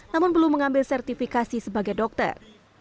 namun belum mengambil sertifikasi sebagai dokter